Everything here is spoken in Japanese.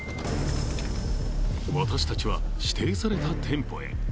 私たちは指定された店舗へ。